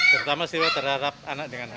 terutama sih ya terhadap anak dengan hiv